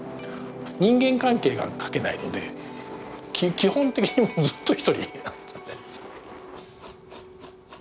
人間関係が書けないので基本的にずっと一人なんですよね。